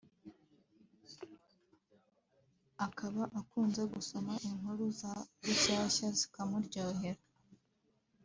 akaba akunze gusoma inkuru za Rushyashya zikamuryohera